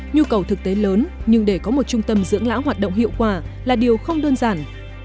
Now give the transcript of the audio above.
nhu cầu thực tế lớn nhưng để có một trung tâm dưỡng lão hoạt động hiệu quả là điều không đơn giản